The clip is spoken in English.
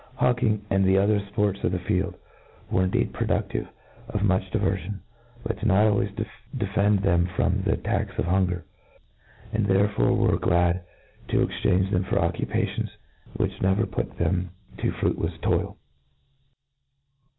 Hawking, and the other fports of the field, "were indeed productive of much diver iion, but did not always defend them from the attacks of hunger ; and therefore they were glad to exchange them for occupations, which uever put them to fruitjefs toil